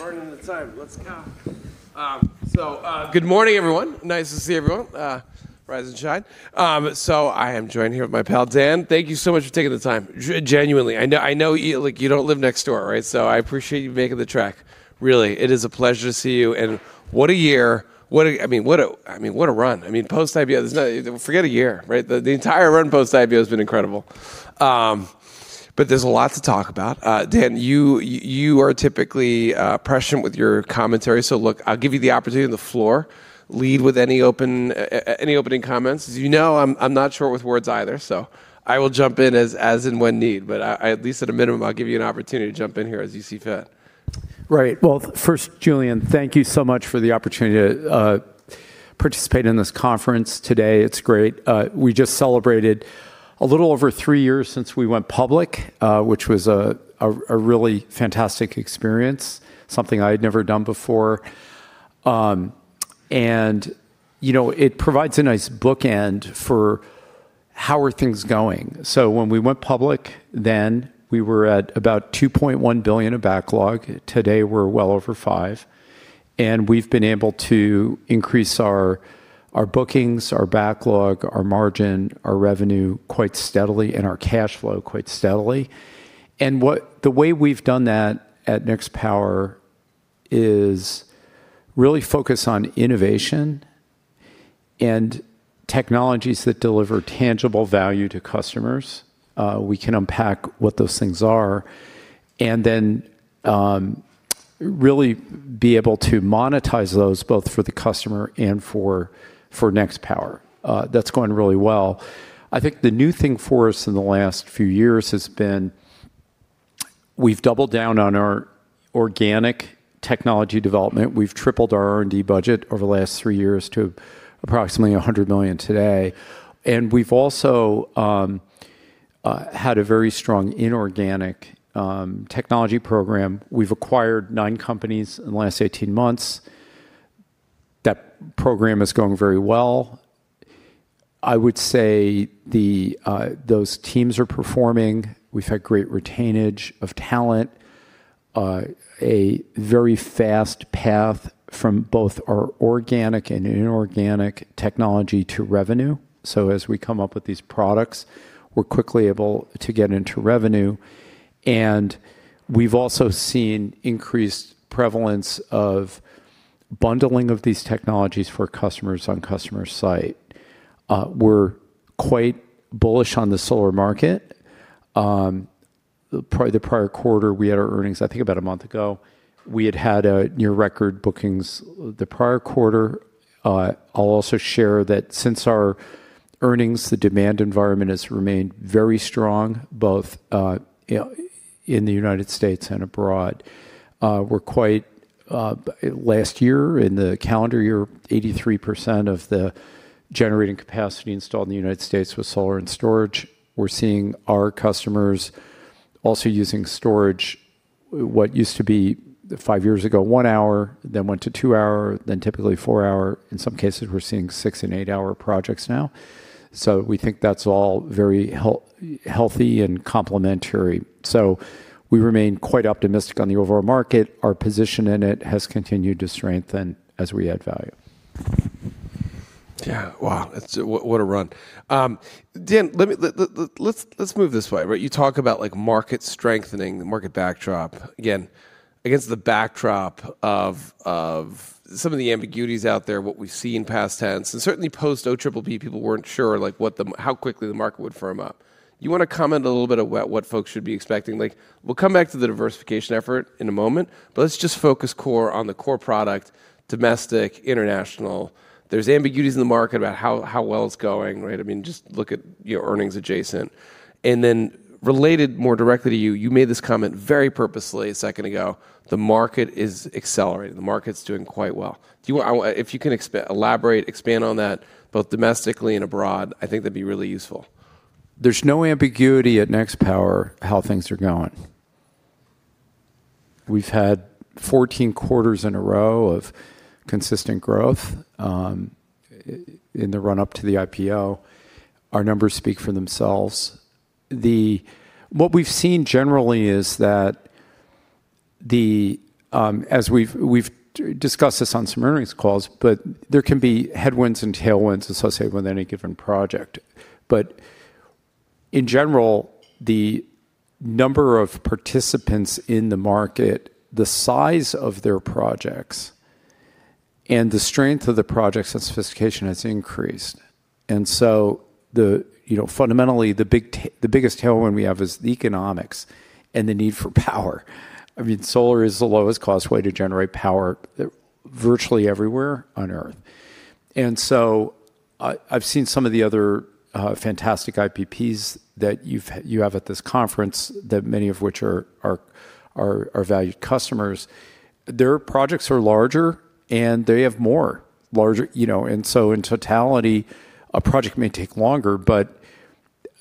All right. Excellent. We're burning the time. Let's go. Good morning, everyone. Nice to see everyone. Rise and shine. I am joined here with my pal, Dan. Thank you so much for taking the time. Genuinely. I know, I know you like, you don't live next door, right? I appreciate you making the trek. Really, it is a pleasure to see you, and what a year. What a, I mean, what a run. I mean, post-IPO, there's no. Forget a year, right? The entire run post-IPO has been incredible. There's a lot to talk about. Dan, you are typically prescient with your commentary. Look, I'll give you the opportunity on the floor. Lead with any opening comments. As you know, I'm not short with words either, so I will jump in as and when need. I at least at a minimum, I'll give you an opportunity to jump in here as you see fit. Right. Well, first, Julian, thank you so much for the opportunity to participate in this conference today. It's great. We just celebrated a little over three years since we went public, which was a really fantastic experience. Something I'd never done before. You know, it provides a nice bookend for how are things going. When we went public then, we were at about $2.1 billion of backlog. Today, we're well over $5 billion. We've been able to increase our bookings, our backlog, our margin, our revenue quite steadily, and our cash flow quite steadily. The way we've done that at Nextpower is really focus on innovation and technologies that deliver tangible value to customers, we can unpack what those things are, and then really be able to monetize those both for the customer and for Nextpower. That's going really well. I think the new thing for us in the last few years has been we've doubled down on our organic technology development. We've tripled our R&D budget over the last three years to approximately $100 million today. We've also had a very strong inorganic technology program. We've acquired nine companies in the last 18 months. That program is going very well. I would say the those teams are performing. We've had great retainage of talent, a very fast path from both our organic and inorganic technology to revenue. As we come up with these products, we're quickly able to get into revenue. We've also seen increased prevalence of bundling of these technologies for customers on customer site. We're quite bullish on the solar market. The prior quarter, we had our earnings, I think about one month ago. We had near record bookings the prior quarter. I'll also share that since our earnings, the demand environment has remained very strong, both in the United States and abroad. We're quite last year in the calendar year, 83% of the generating capacity installed in the United States was solar and storage. We're seeing our customers also using storage, what used to be, five years ago, one hour, then went to two hour, then typically four hour. In some cases, we're seeing six and eight hour projects now. We think that's all very healthy and complementary. We remain quite optimistic on the overall market. Our position in it has continued to strengthen as we add value. Yeah. Wow. What, what a run. Dan, let me... Let's move this way, right? You talk about, like, market strengthening, the market backdrop. Again, against the backdrop of some of the ambiguities out there, what we've seen past tense, and certainly post-IPO, people weren't sure, like, how quickly the market would firm up. You wanna comment a little bit about what folks should be expecting? Like, we'll come back to the diversification effort in a moment, but let's just focus core on the core product, domestic, international. There's ambiguities in the market about how well it's going, right? I mean, just look at, you know, earnings adjacent. Related more directly to you made this comment very purposely a second ago, "The market is accelerating. The market's doing quite well." Do you... If you can elaborate, expand on that, both domestically and abroad, I think that'd be really useful. There's no ambiguity at Nextpower how things are going. We've had 14 quarters in a row of consistent growth in the run-up to the IPO. Our numbers speak for themselves. What we've seen generally is that as we've discussed this on some earnings calls, but there can be headwinds and tailwinds associated with any given project. In general, the number of participants in the market, the size of their projects, and the strength of the projects and sophistication has increased. The, you know, fundamentally, the biggest tailwind we have is the economics and the need for power. I mean, solar is the lowest cost way to generate power virtually everywhere on Earth. I've seen some of the other fantastic IPPs that you have at this conference that many of which are valued customers. Their projects are larger and they have more larger, you know. In totality, a project may take longer, but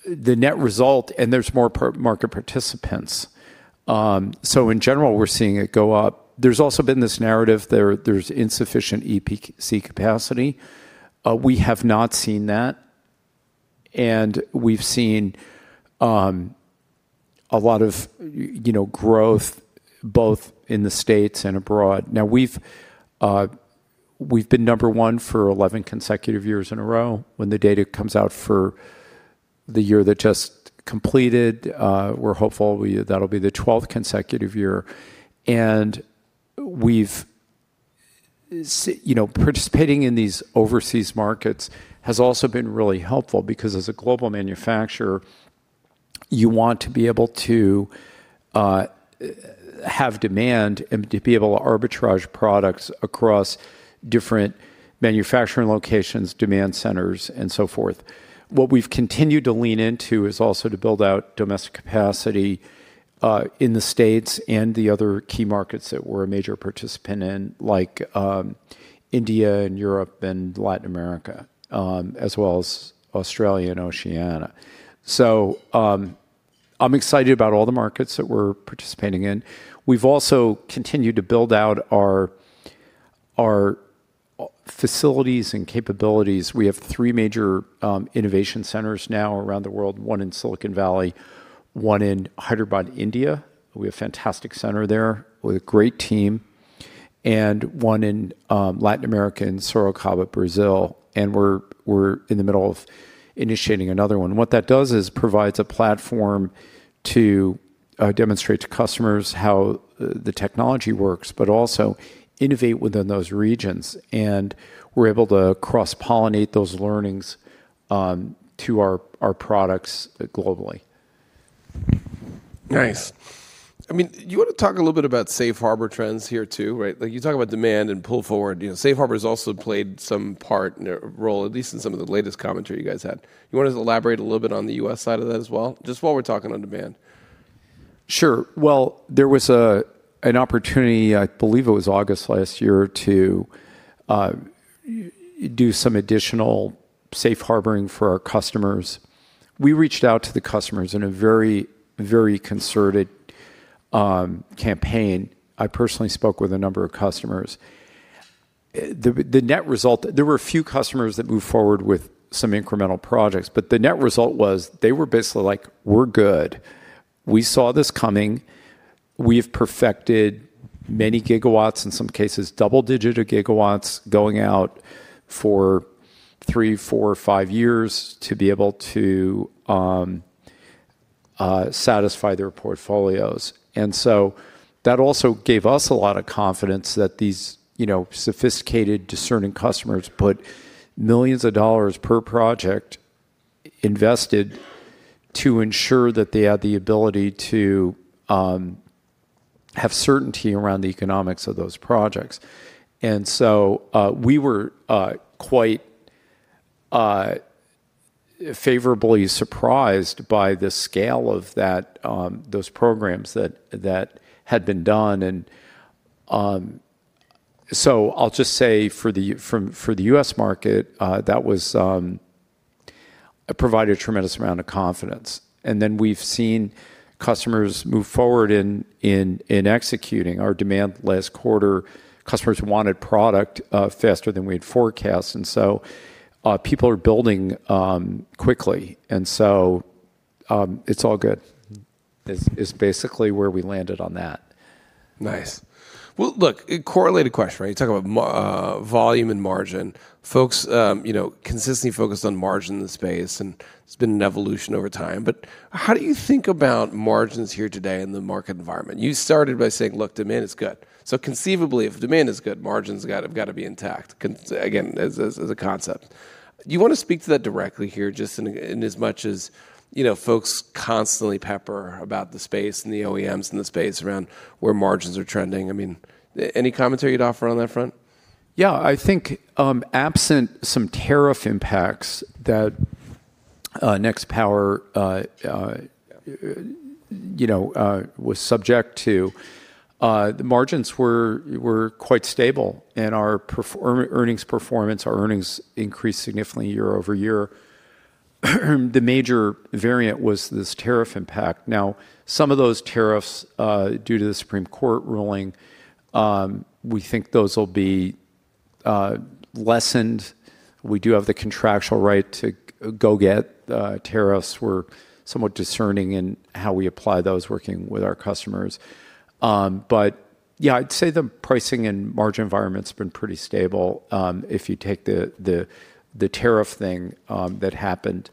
the net result. There's more market participants. In general, we're seeing it go up. There's also been this narrative there's insufficient EPC capacity. We have not seen that. And we've seen a lot of, you know, growth both in the States and abroad. Now, we've been number one for 11 consecutive years in a row. When the data comes out for the year that just completed, we're hopeful that'll be the 12th consecutive year. We've you know, participating in these overseas markets has also been really helpful because as a global manufacturer, you want to be able to have demand and to be able to arbitrage products across different manufacturing locations, demand centers, and so forth. What we've continued to lean into is also to build out domestic capacity in the States and the other key markets that we're a major participant in, like, India and Europe and Latin America, as well as Australia and Oceania. I'm excited about all the markets that we're participating in. We've also continued to build out our facilities and capabilities. We have three major innovation centers now around the world, one in Silicon Valley, one in Hyderabad, India, we have a fantastic center there with a great team, and one in Latin America, in Sorocaba, Brazil, and we're in the middle of initiating another one. What that does is provides a platform to demonstrate to customers how the technology works, but also innovate within those regions. We're able to cross-pollinate those learnings to our products globally. Nice. I mean, do you wanna talk a little bit about safe harbor trends here too, right? Like, you talk about demand and pull forward. You know, safe harbor's also played some part in the role, at least in some of the latest commentary you guys had. You want to elaborate a little bit on the U.S. side of that as well, just while we're talking on demand? Sure. Well, there was an opportunity, I believe it was August last year, to do some additional safe harboring for our customers. We reached out to the customers in a very, very concerted campaign. I personally spoke with a number of customers. The net result. There were a few customers that moved forward with some incremental projects, but the net result was they were basically like, "We're good. We saw this coming." We've perfected many gigawatts, in some cases double-digit gigawatts, going out for three, four, five years to be able to satisfy their portfolios. That also gave us a lot of confidence that these, you know, sophisticated, discerning customers put millions of dollars per project invested to ensure that they had the ability to have certainty around the economics of those projects. We were quite favorably surprised by the scale of that, those programs that had been done. So I'll just say for the U.S. market, that was provided a tremendous amount of confidence. Then we've seen customers move forward in executing our demand last quarter. Customers wanted product faster than we had forecast, and so, people are building quickly. It's all good, is basically where we landed on that. Nice. Well, look, a correlated question, right? You talk about volume and margin. Folks, you know, consistently focus on margin in the space, and it's been an evolution over time. How do you think about margins here today in the market environment? You started by saying, "Look, demand is good." Conceivably, if demand is good, margins gotta be intact, again, as a concept. Do you wanna speak to that directly here, just in as much as, you know, folks constantly pepper about the space and the OEMs in the space around where margins are trending? I mean, any commentary you'd offer on that front? Yeah. I think, absent some tariff impacts that Nextpower, you know, was subject to, the margins were quite stable and our earnings performance, our earnings increased significantly year-over-year. The major variant was this tariff impact. Some of those tariffs, due to the Supreme Court ruling, we think those will be lessened. We do have the contractual right to go get tariffs. We're somewhat discerning in how we apply those working with our customers. Yeah, I'd say the pricing and margin environment's been pretty stable. If you take the tariff thing, that happened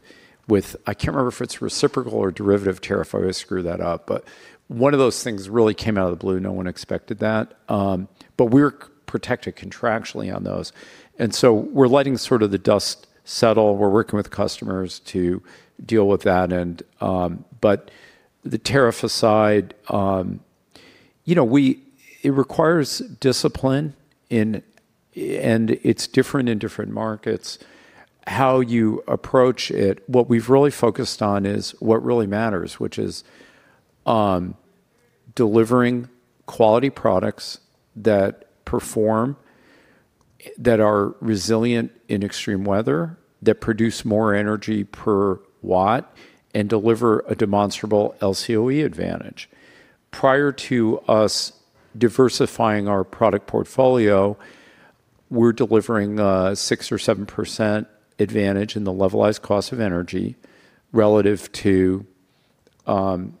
with... I can't remember if it's reciprocal or derivative tariff. I always screw that up. One of those things really came out of the blue. No one expected that. We're protected contractually on those, and so we're letting sort of the dust settle. We're working with customers to deal with that. The tariff aside, you know, it requires discipline in. It's different in different markets how you approach it. What we've really focused on is what really matters, which is delivering quality products that perform, that are resilient in extreme weather, that produce more energy per watt, and deliver a demonstrable LCOE advantage. Prior to us diversifying our product portfolio-We're delivering 6% or 7% advantage in the levelized cost of energy relative to, I'll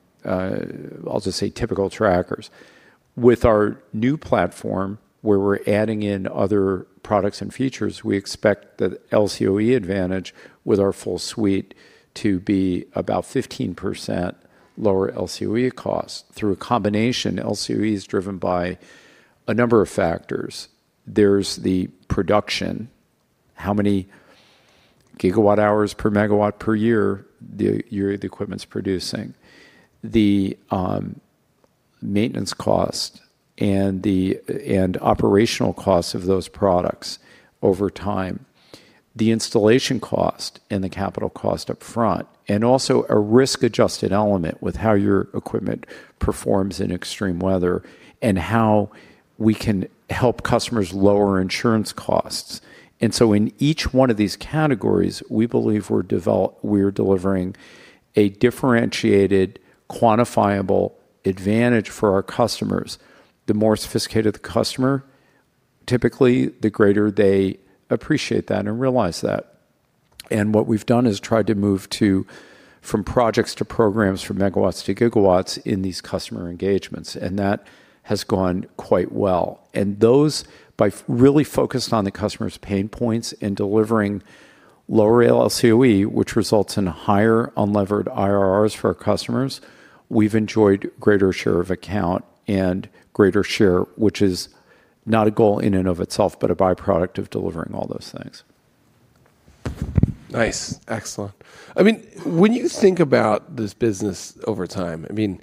just say typical trackers. With our new platform, where we're adding in other products and features, we expect the LCOE advantage with our full suite to be about 15% lower LCOE costs through a combination. LCOE is driven by a number of factors. There's the production, how many gigawatt hours per megawatt per year the equipment's producing. The maintenance cost and operational costs of those products over time, the installation cost and the capital cost up front, and also a risk-adjusted element with how your equipment performs in extreme weather and how we can help customers lower insurance costs. In each one of these categories, we believe we're delivering a differentiated, quantifiable advantage for our customers. The more sophisticated the customer, typically the greater they appreciate that and realize that. What we've done is tried to move to, from projects to programs, from megawatts to gigawatts in these customer engagements, and that has gone quite well. Those really focused on the customer's pain points and delivering lower LCOE, which results in higher unlevered IRRs for our customers, we've enjoyed greater share of account and greater share, which is not a goal in and of itself, but a by-product of delivering all those things. Nice. Excellent. I mean, when you think about this business over time, I mean,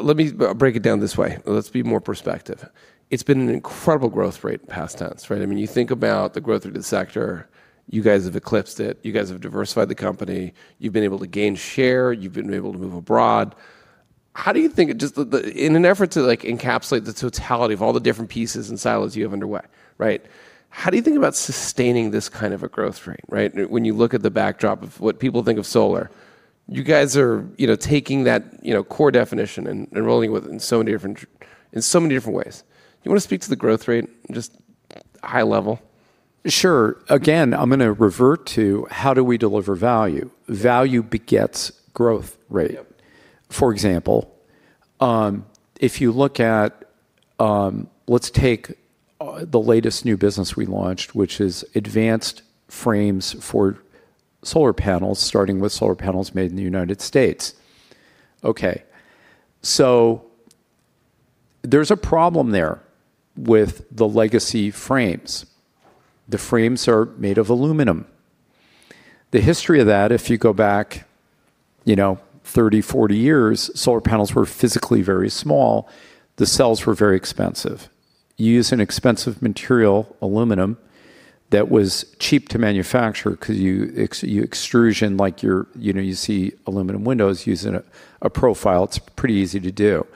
let me break it down this way. Let's be more perspective. It's been an incredible growth rate in past tense, right? I mean, you think about the growth of the sector, you guys have eclipsed it. You guys have diversified the company. You've been able to gain share. You've been able to move abroad. How do you think it just the in an effort to like encapsulate the totality of all the different pieces and silos you have underway, right? How do you think about sustaining this kind of a growth rate, right? When you look at the backdrop of what people think of solar, you guys are, you know, taking that, you know, core definition and rolling with it in so many different ways. You wanna speak to the growth rate, just high level? Sure. Again, I'm gonna revert to how do we deliver value? Value begets growth rate. Yep. For example, if you look at, let's take the latest new business we launched, which is advanced frames for solar panels, starting with solar panels made in the United States. Okay. There's a problem there with the legacy frames. The frames are made of aluminum. The history of that, if you go back, you know, 30, 40 years, solar panels were physically very small. The cells were very expensive. You use an expensive material, aluminum, that was cheap to manufacture 'cause you extrusion like your, you know, you see aluminum windows using a profile. It's pretty easy to do.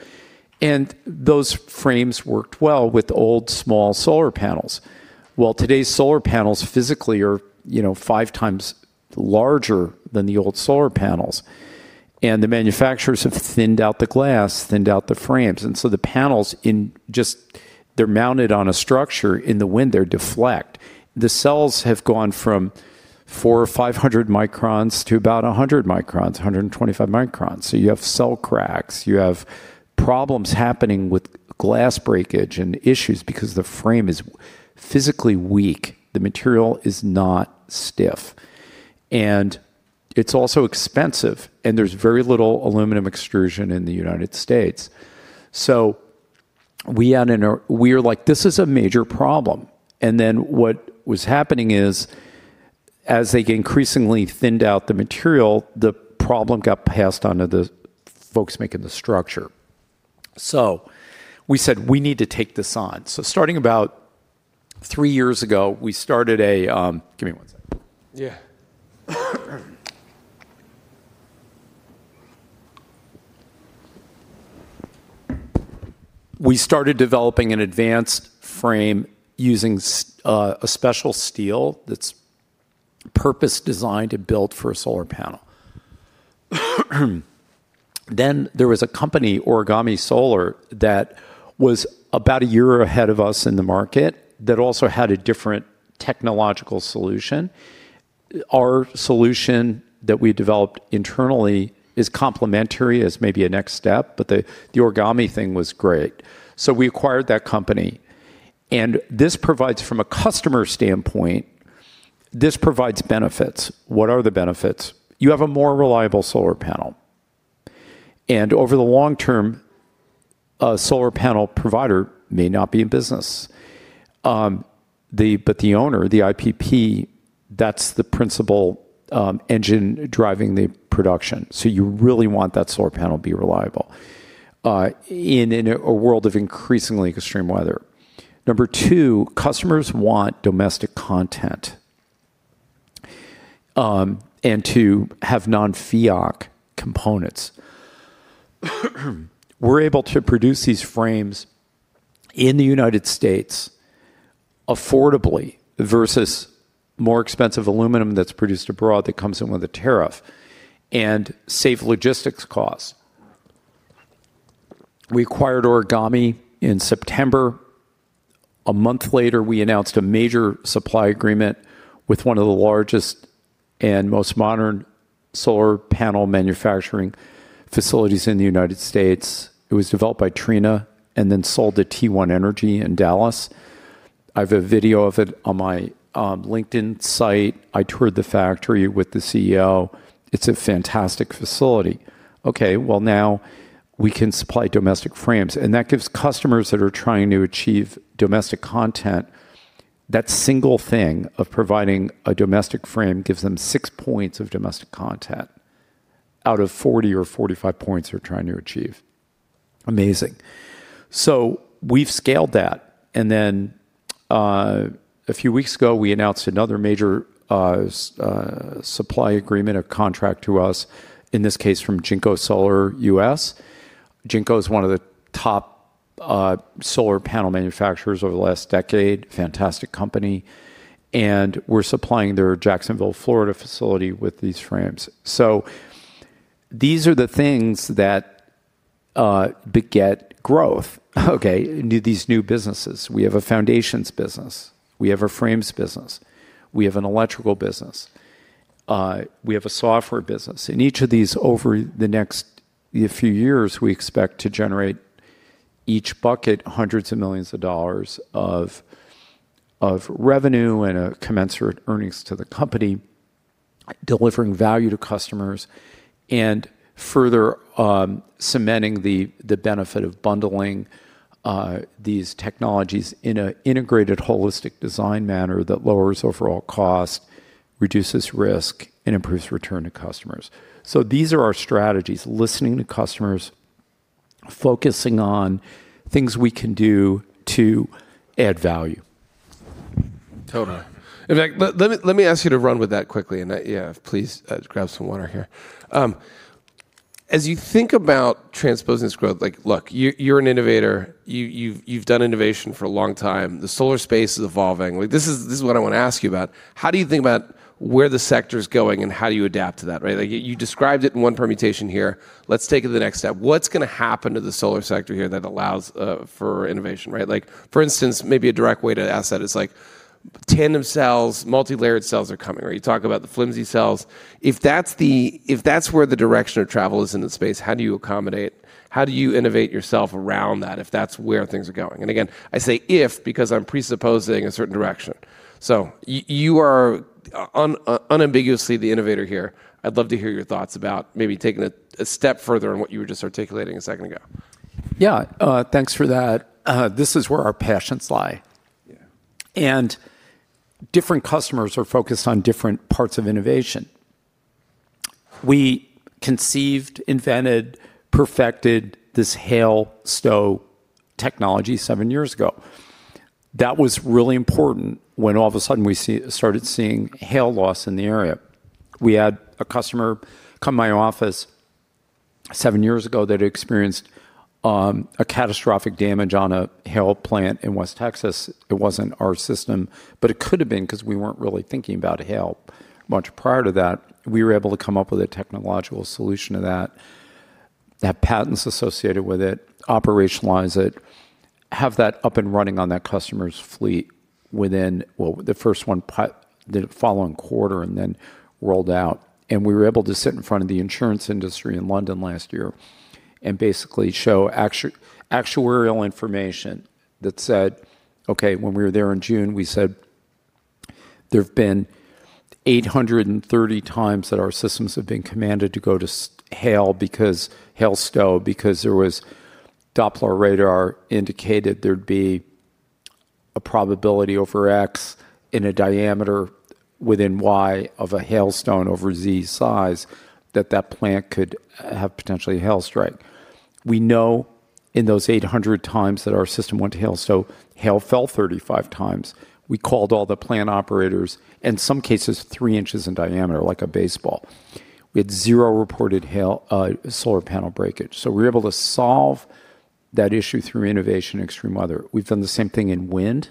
Those frames worked well with old small solar panels. Today's solar panels physically are, you know, five times larger than the old solar panels, and the manufacturers have thinned out the glass, thinned out the frames. The panels in just, they're mounted on a structure. In the wind, they deflect. The cells have gone from 400 or 500 microns to about 100 microns, 125 microns. You have cell cracks. You have problems happening with glass breakage and issues because the frame is physically weak. The material is not stiff, and it's also expensive, and there's very little aluminum extrusion in the United States. We were like, "This is a major problem." What was happening is, as they increasingly thinned out the material, the problem got passed on to the folks making the structure. We said, "We need to take this on." Starting about three years ago, we started a. Give me one second. Yeah. We started developing an advanced frame using a special steel that's purpose-designed and built for a solar panel. There was a company, Origami Solar, that was about a year ahead of us in the market that also had a different technological solution. Our solution that we developed internally is complementary as maybe a next step, but the Origami thing was great. We acquired that company, and this provides from a customer standpoint, this provides benefits. What are the benefits? You have a more reliable solar panel, and over the long term, a solar panel provider may not be in business. The owner, the IPP, that's the principal engine driving the production. You really want that solar panel to be reliable in a world of increasingly extreme weather. Number two, customers want domestic content, and to have non-FEOC components. We're able to produce these frames in the United States affordably versus more expensive aluminum that's produced abroad that comes in with a tariff and save logistics costs. We acquired Origami in September. A month later, we announced a major supply agreement with one of the largest and most modern solar panel manufacturing facilities in the United States. It was developed by Trina and then sold to T1 Energy in Dallas. I have a video of it on my LinkedIn site. I toured the factory with the CEO. It's a fantastic facility. Okay, well, now we can supply domestic frames, that gives customers that are trying to achieve domestic content that single thing of providing a domestic frame gives them six points of domestic content out of 40 or 45 points they're trying to achieve. Amazing. We've scaled that, and then, a few weeks ago, we announced another major supply agreement or contract to us, in this case from Jinko Solar U.S. Jinko is one of the top solar panel manufacturers over the last decade, fantastic company, and we're supplying their Jacksonville, Florida, facility with these frames. These are the things that beget growth, okay, these new businesses. We have a foundations business. We have a frames business. We have an electrical business. We have a software business. In each of these, over the next few years, we expect to generate each bucket hundreds of millions of dollars of revenue and commensurate earnings to the company, delivering value to customers and further cementing the benefit of bundling these technologies in a integrated holistic design manner that lowers overall cost, reduces risk, and improves return to customers. These are our strategies, listening to customers, focusing on things we can do to add value. Today. In fact, let me ask you to run with that quickly, yeah, please, grab some water here. As you think about transpose and its growth, look, you're an innovator. You've done innovation for a long time. The solar space is evolving. This is what I wanna ask you about. How do you think about where the sector's going, and how do you adapt to that, right? You described it in one permutation here. Let's take it to the next step. What's gonna happen to the solar sector here that allows for innovation, right? For instance, maybe a direct way to ask that is, tandem cells, multilayered cells are coming, or you talk about the flimsy cells. If that's where the direction of travel is in the space, how do you accommodate? How do you innovate yourself around that if that's where things are going? Again, I say if because I'm presupposing a certain direction. You are unambiguously the innovator here. I'd love to hear your thoughts about maybe taking it a step further on what you were just articulating a second ago. Yeah. Thanks for that. This is where our passions lie. Yeah. Different customers are focused on different parts of innovation. We conceived, invented, perfected this hail stow technology seven years ago. That was really important when all of a sudden we started seeing hail loss in the area. We had a customer come to my office seven years ago that had experienced a catastrophic damage on a hail plant in West Texas. It wasn't our system, but it could have been 'cause we weren't really thinking about hail much prior to that. We were able to come up with a technological solution to that, have patents associated with it, operationalize it, have that up and running on that customer's fleet within. Well, the first one the following quarter and then rolled out. We were able to sit in front of the insurance industry in London last year and basically show actuarial information that said, okay, when we were there in June, we said there have been 830 times that our systems have been commanded to go to hail because hail stow because there was Doppler radar indicated there'd be a probability over X in a diameter within Y of a hailstone over Z size that plant could have potentially hail strike. We know in those 800 times that our system went to hail stow, hail fell 35 times. We called all the plant operators, in some cases 3 in in diameter like a baseball. We had zero reported hail, solar panel breakage. We were able to solve that issue through innovation in extreme weather. We've done the same thing in wind.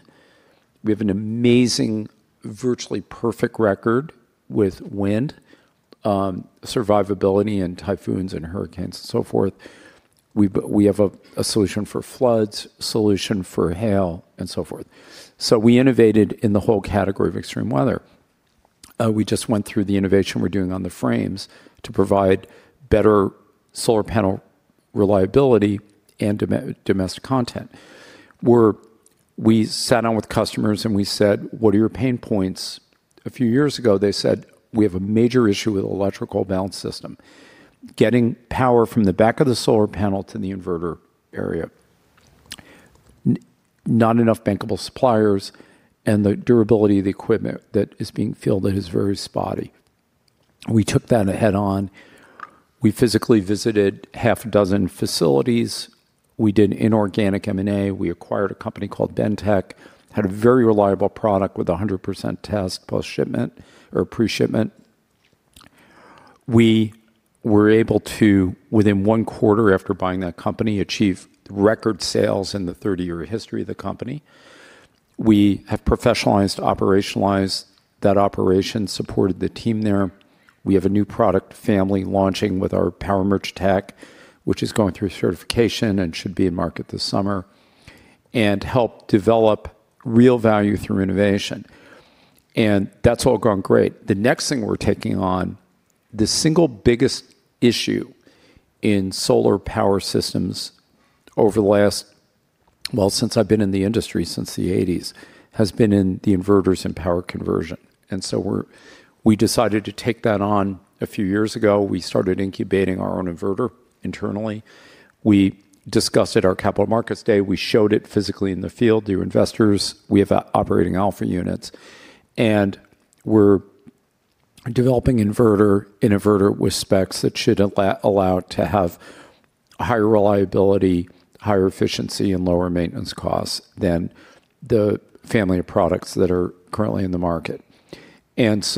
We have an amazing, virtually perfect record with wind, survivability in typhoons and hurricanes and so forth. We have a solution for floods, solution for hail, and so forth. We innovated in the whole category of extreme weather. We just went through the innovation we're doing on the frames to provide better solar panel reliability and domestic content. We sat down with customers, and we said, "What are your pain points?" A few years ago, they said, "We have a major issue with Electrical Balance System, getting power from the back of the solar panel to the inverter area. Not enough bankable suppliers and the durability of the equipment that is being filled is very spotty." We took that head on. We physically visited half a dozen facilities. We did inorganic M&A. We acquired a company called Bentek, had a very reliable product with 100% test post shipment or pre-shipment. We were able to, within one quarter after buying that company, achieve record sales in the 30-year history of the company. We have professionalized, operationalized that operation, supported the team there. We have a new product family launching with our PowerMerge tech, which is going through certification and should be in market this summer and help develop real value through innovation. That's all gone great. The next thing we're taking on, the single biggest issue in solar power systems over the last well since I've been in the industry, since the '80s, has been in the inverters and power conversion. We decided to take that on a few years ago. We started incubating our own inverter internally. We discussed at our Capital Markets Day, we showed it physically in the field to investors. We have operating alpha units, we're developing an inverter with specs that should allow to have higher reliability, higher efficiency, and lower maintenance costs than the family of products that are currently in the market. These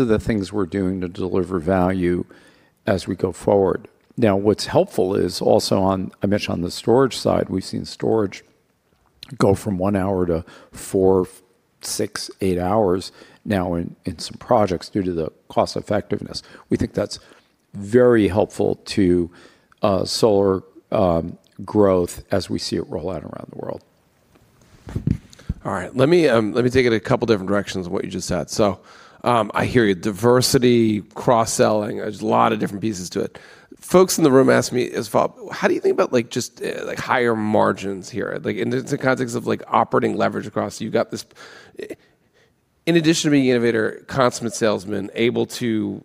are the things we're doing to deliver value as we go forward. Now, what's helpful is also on, I mentioned on the storage side, we've seen storage go from one hour to four, six, eight hours now in some projects due to the cost effectiveness. We think that's very helpful to solar growth as we see it roll out around the world. All right. Let me, let me take it a couple different directions of what you just said. I hear you, diversity, cross-selling, there's a lot of different pieces to it. Folks in the room ask me is, "Bob, how do you think about like just, like higher margins here?" Like in the context of like operating leverage across, you've got this. In addition to being an innovator, consummate salesman, able to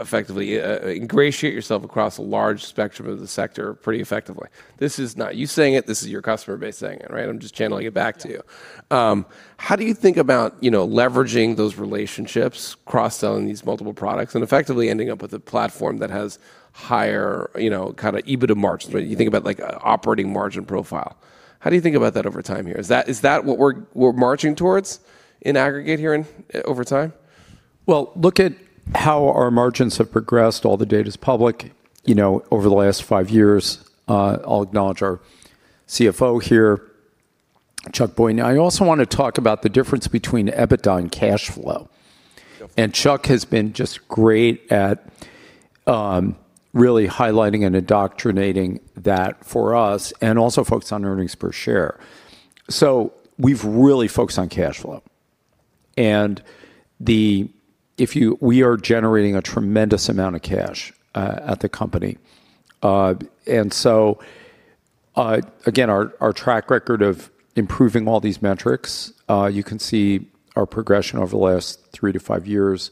effectively ingratiate yourself across a large spectrum of the sector pretty effectively. This is not you saying it, this is your customer base saying it, right? I'm just channeling it back to you. How do you think about, you know, leveraging those relationships, cross-selling these multiple products, and effectively ending up with a platform that has higher, you know, kind of EBITDA margins, right? You think about like operating margin profile. How do you think about that over time here? Is that what we're marching towards in aggregate here in over time? Well, look at how our margins have progressed, all the data's public, you know, over the last five years. I'll acknowledge our CFO here, Chuck Boynton. I also wanna talk about the difference between EBITDA and cash flow. Sure. Chuck has been just great at really highlighting and indoctrinating that for us, and also focused on earnings per share. We've really focused on cash flow. We are generating a tremendous amount of cash at the company. Again, our track record of improving all these metrics, you can see our progression over the last three to five years.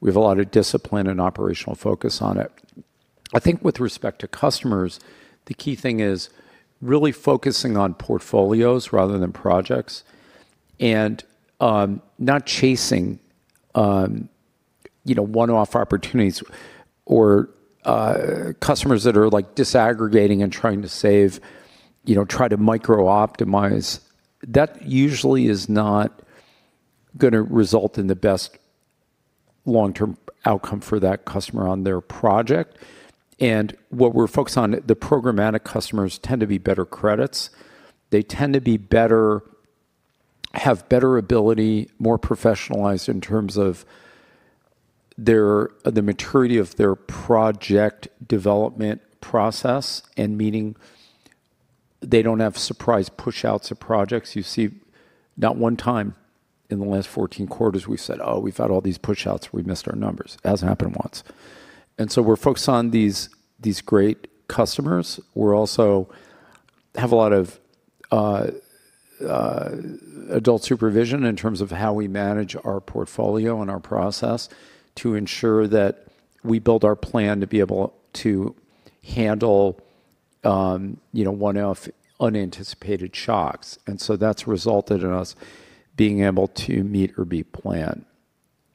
We have a lot of discipline and operational focus on it. I think with respect to customers, the key thing is really focusing on portfolios rather than projects and not chasing, you know, one-off opportunities or customers that are like disaggregating and trying to save, you know, try to micro-optimize. That usually is not gonna result in the best long-term outcome for that customer on their project. What we're focused on, the programmatic customers tend to be better credits. They tend to have better ability, more professionalized in terms of their, the maturity of their project development process, meaning they don't have surprise pushouts of projects. You see, not one time in the last 14 quarters we've said, "Oh, we've had all these pushouts, we missed our numbers." It hasn't happened once. We're focused on these great customers. We're also have a lot of adult supervision in terms of how we manage our portfolio and our process to ensure that we build our plan to be able to handle, you know, one-off unanticipated shocks. That's resulted in us being able to meet or beat plan.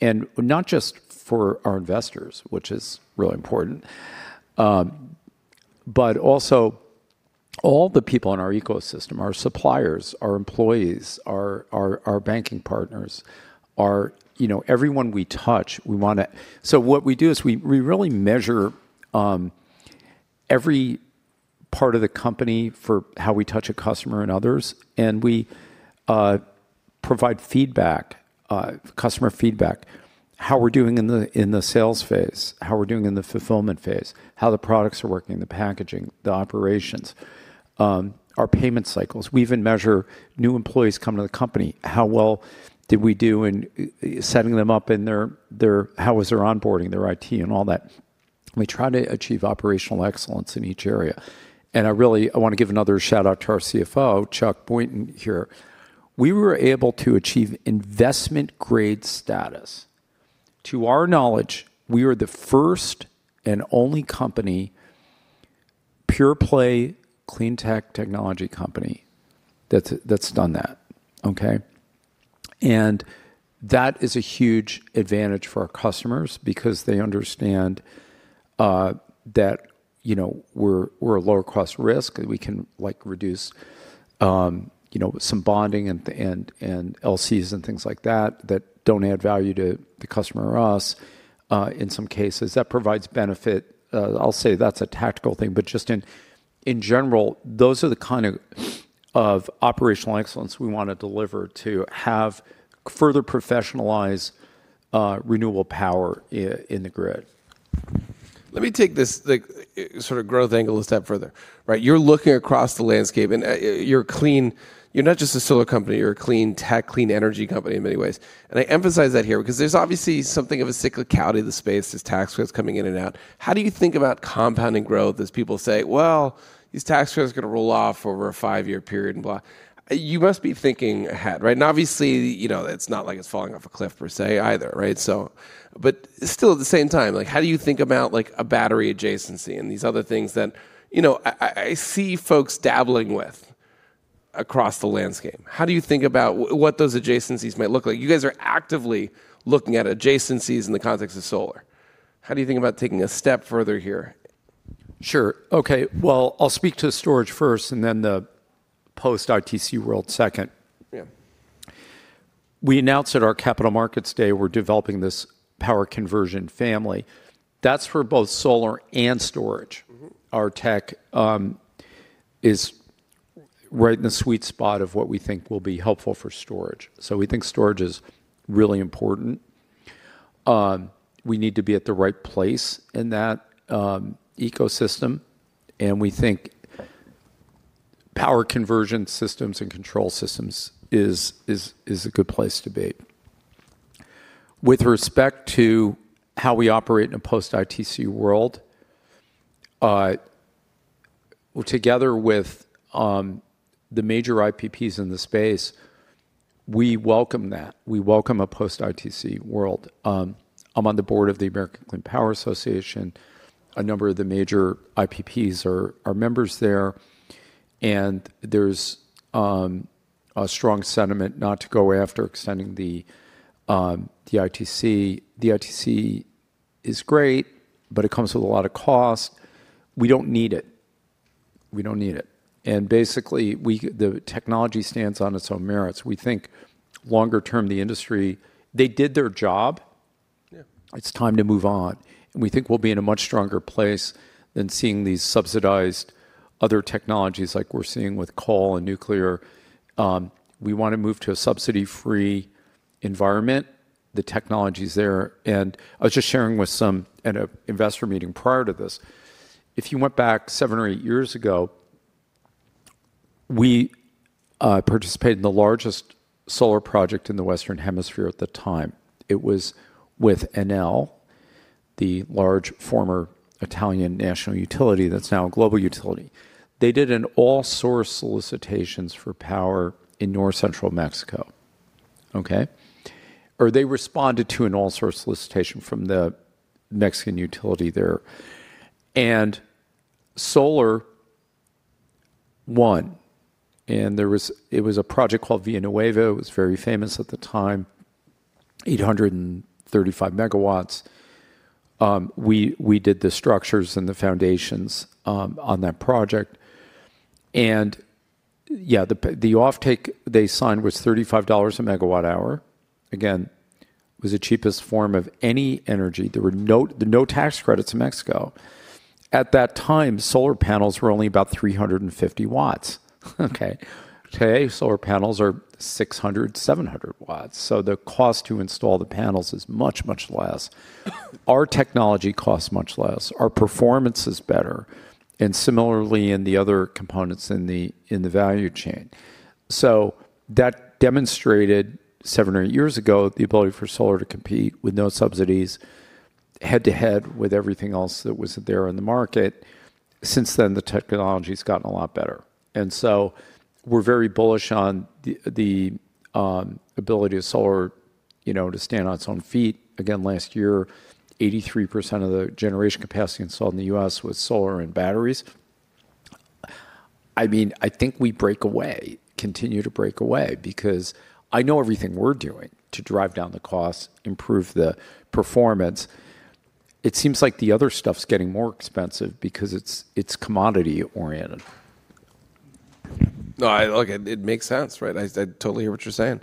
Not just for our investors, which is really important, but also all the people in our ecosystem, our suppliers, our employees, our banking partners, our... You know, everyone we touch, we wanna... What we do is we really measure every part of the company for how we touch a customer and others, and we provide feedback, customer feedback, how we're doing in the sales phase, how we're doing in the fulfillment phase, how the products are working, the packaging, the operations, our payment cycles. We even measure new employees coming to the company, how well did we do in setting them up and how was their onboarding, their IT and all that. We try to achieve operational excellence in each area. I wanna give another shout-out to our CFO, Chuck Boynton, here. We were able to achieve investment grade status. To our knowledge, we are the first and only company, pure play, clean tech technology company that's done that, okay? That is a huge advantage for our customers because they understand, that, you know, we're a lower cost risk and we can like reduce, you know, some bonding and LCs and things like that that don't add value to the customer or us. In some cases, that provides benefit. I'll say that's a tactical thing, but just in general, those are the kind of operational excellence we wanna deliver to have further professionalize renewable power in the grid. Let me take this, like, sorta growth angle a step further. Right. You're clean. You're not just a solar company, you're a clean tech, clean energy company in many ways. I emphasize that here because there's obviously something of a cyclicality to the space as tax credits coming in and out. How do you think about compounding growth as people say, "Well, these tax credits are gonna roll off over a five-year period," and blah. You must be thinking ahead, right? Obviously, you know, it's not like it's falling off a cliff per se either, right? Still at the same time, like, how do you think about, like, a battery adjacency and these other things that, you know, I, I see folks dabbling with across the landscape? How do you think about what those adjacencies might look like? You guys are actively looking at adjacencies in the context of solar. How do you think about taking a step further here? Sure. Okay. Well, I'll speak to storage first and then the post ITC world second. Yeah. We announced at our Capital Markets Day we're developing this power conversion family. That's for both solar and storage. Mm-hmm. Our tech is right in the sweet spot of what we think will be helpful for storage. We think storage is really important. We need to be at the right place in that ecosystem, and we think power conversion systems and control systems is a good place to be. With respect to how we operate in a post ITC world, well, together with the major IPPs in the space, we welcome that. We welcome a post ITC world. I'm on the board of the American Clean Power Association. A number of the major IPPs are members there, and there's a strong sentiment not to go after extending the ITC. The ITC is great, but it comes with a lot of cost. We don't need it. We don't need it. Basically, the technology stands on its own merits. We think longer term, the industry, they did their job. Yeah. It's time to move on. We think we'll be in a much stronger place than seeing these subsidized other technologies like we're seeing with coal and nuclear. We wanna move to a subsidy-free environment. The technology's there. I was just sharing at an investor meeting prior to this, if you went back seven or eight years ago, we participated in the largest solar project in the Western Hemisphere at the time. It was with Enel, the large former Italian national utility that's now a global utility. They did an all-source solicitations for power in north central Mexico, okay? They responded to an all-source solicitation from the Mexican utility there. Solar won. It was a project called Villanueva. It was very famous at the time. 835 MW. We did the structures and the foundations on that project. Yeah, the offtake they signed was $35 a megawatt hour. Again, it was the cheapest form of any energy. There were no tax credits in Mexico. At that time, solar panels were only about 350 W, okay. Today, solar panels are 600, 700 W, so the cost to install the panels is much less. Our technology costs much less. Our performance is better, and similarly in the other components in the value chain. That demonstrated seven or eight years ago the ability for solar to compete with no subsidies head-to-head with everything else that was there in the market. Since then, the technology's gotten a lot better. We're very bullish on the ability of solar, you know, to stand on its own feet. Again, last year, 83% of the generation capacity installed in the U.S. was solar and batteries. I mean, I think we break away, continue to break away because I know everything we're doing to drive down the cost, improve the performance. It seems like the other stuff's getting more expensive because it's commodity oriented. No, Look, it makes sense, right? I totally hear what you're saying.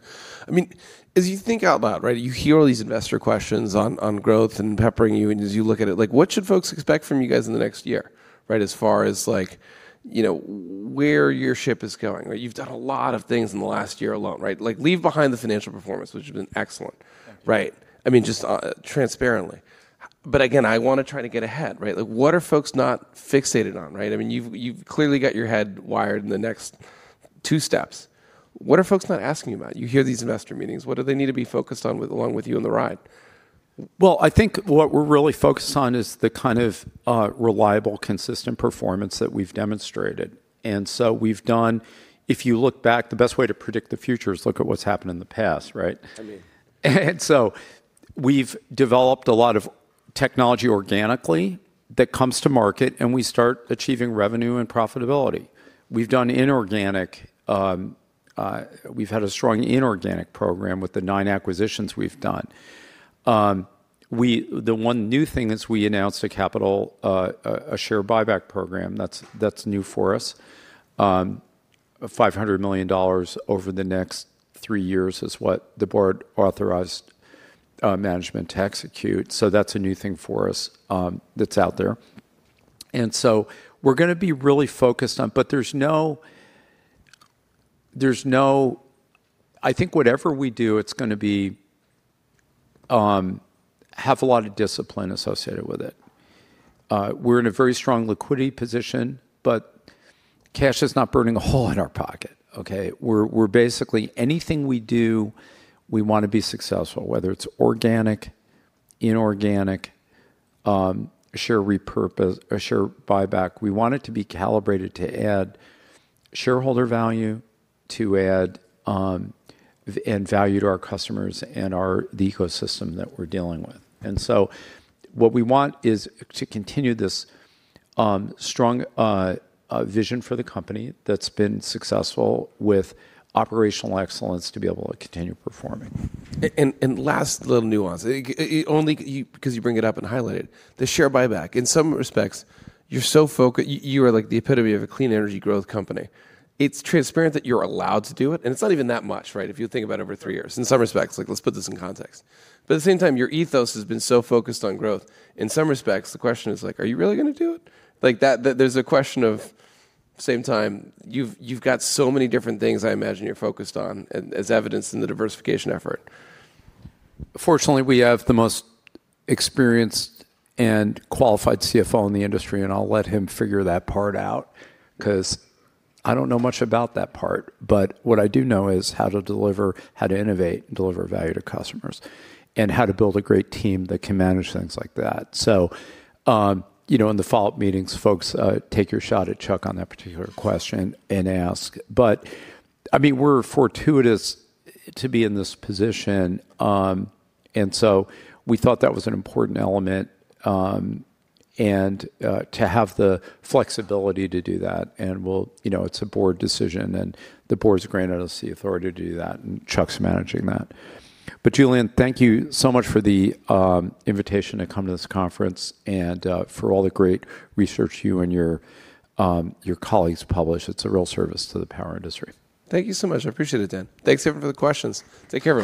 I mean, as you think out loud, right, you hear all these investor questions on growth and peppering you. As you look at it, like, what should folks expect from you guys in the next year, right? As far as, like, you know, where your ship is going, right? You've done a lot of things in the last year alone, right? Like, leave behind the financial performance, which has been excellent. Thank you. Right. I mean, just transparently. Again, I wanna try to get ahead, right? Like, what are folks not fixated on, right? I mean, you've clearly got your head wired in the next two steps. What are folks not asking about? You hear these investor meetings. What do they need to be focused on along with you on the ride? Well, I think what we're really focused on is the kind of reliable, consistent performance that we've demonstrated. If you look back, the best way to predict the future is look at what's happened in the past, right? I mean- We've developed a lot of technology organically that comes to market, and we start achieving revenue and profitability. We've done inorganic, we've had a strong inorganic program with the nine acquisitions we've done. The one new thing is we announced a capital a share buyback program. That's, that's new for us. $500 million over the next three years is what the board authorized management to execute. That's a new thing for us, that's out there. We're gonna be really focused on. I think whatever we do, it's gonna be have a lot of discipline associated with it. We're in a very strong liquidity position, but cash is not burning a hole in our pocket, okay? We're basically, anything we do, we wanna be successful, whether it's organic, inorganic, share buyback. We want it to be calibrated to add shareholder value, to add, and value to our customers and our, the ecosystem that we're dealing with. What we want is to continue this, strong vision for the company that's been successful with operational excellence to be able to continue performing. Last little nuance. Only you, because you bring it up and highlight it, the share buyback. In some respects, you're so focused. You are like the epitome of a clean energy growth company. It's transparent that you're allowed to do it, and it's not even that much, right? If you think about over three years in some respects, like let's put this in context. At the same time, your ethos has been so focused on growth. In some respects, the question is like, are you really gonna do it? Like that, there's a question of same time, you've got so many different things I imagine you're focused on and as evidenced in the diversification effort. Fortunately, we have the most experienced and qualified CFO in the industry, and I'll let him figure that part out 'cause I don't know much about that part. What I do know is how to deliver, how to innovate and deliver value to customers and how to build a great team that can manage things like that. You know, in the follow-up meetings, folks, take your shot at Chuck on that particular question and ask. I mean, we're fortuitous to be in this position. We thought that was an important element, and to have the flexibility to do that. We'll, you know, it's a board decision and the board's granted us the authority to do that, and Chuck's managing that. Julian, thank you so much for the invitation to come to this conference and for all the great research you and your colleagues publish. It's a real service to the power industry. Thank you so much. I appreciate it, Dan. Thanks everyone for the questions. Take care, everyone.